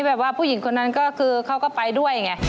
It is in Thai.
ทีนี้ผู้หญิงคนนั้นเขาก็ไปด้วย